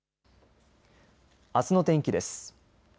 あすの天気です。